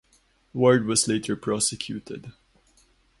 Ward was later prosecuted.